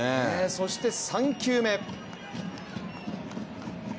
そして３球目。